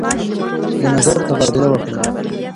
د نظر تبادله وکړئ.